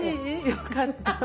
よかった。